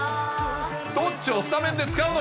どっちをスタメンで使うの？